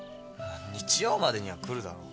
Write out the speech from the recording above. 日曜日までには来るだろう。